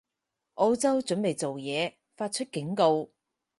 澳洲準備做嘢，發出警告